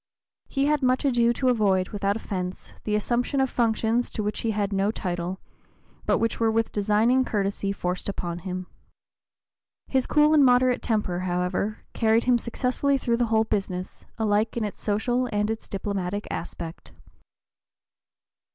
He had much ado to avoid, without offence, the assumption of functions to which he had no title, but which were with designing courtesy forced upon him. His cool and moderate temper, however, carried him successfully through the whole business, alike in its social and its diplomatic aspect.